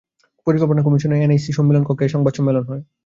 পরিকল্পনা কমিশনের এনইসি সম্মেলন কক্ষে এ সংবাদ সম্মেলন হয়।